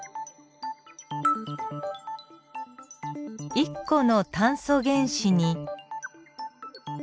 １個の炭素原子に。